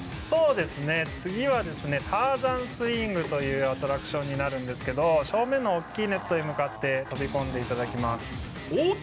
次ぎはターザンスイングというアトラクションになるんですけど、正面の大きいネットに向かって飛び込んでいただきます。